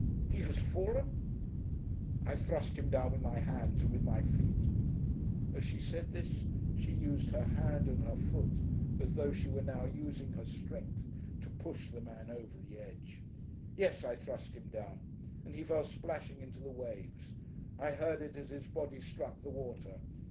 "He has fallen!" "I thrust him down with my hands and with my feet." As she said this, she used her hand and her foot as though she were now using her strength to push the man over the edge. "Yes, I thrust him down, and he fell splashing into the waves. I heard it as his body struck the water.